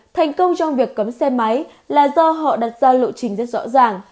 thành công trong việc cấm xe máy là do họ đặt ra lộ trình rất rõ ràng